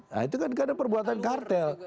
nah itu kan karena perbuatan kartel